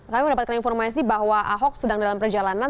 kami mendapatkan informasi bahwa ahok sedang dalam perjalanan